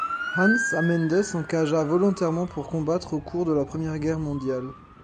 Hans am Ende s'engagea volontairement pour combattre au cours de la Première Guerre mondiale.